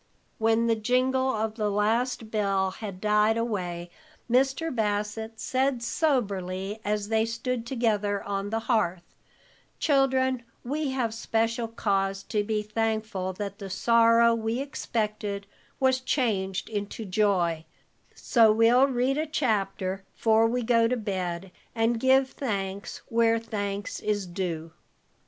When the jingle of the last bell had died away, Mr. Bassett said soberly, as they stood together on the hearth: "Children, we have special cause to be thankful that the sorrow we expected was changed into joy, so we'll read a chapter 'fore we go to bed, and give thanks where thanks is due."